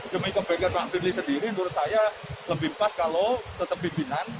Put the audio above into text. demi kebaikan pak firly sendiri menurut saya lebih pas kalau tetap pimpinan